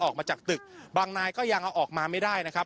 ออกมาจากตึกบางนายก็ยังเอาออกมาไม่ได้นะครับ